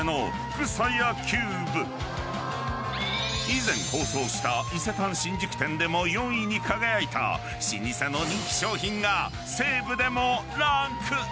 ［以前放送した伊勢丹新宿店でも４位に輝いた老舗の人気商品が］